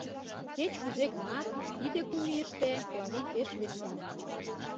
Кеч-кузе гынат, тиде кум ийыште Клавий пеш весемын.